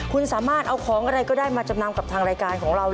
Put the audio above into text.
คุณสามารถเอาของอะไรก็ได้มาจำนำกับทางรายการของเรา